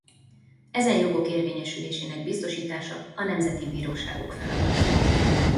Ezen jogok érvényesülésének biztosítása a nemzeti bíróságok feladata.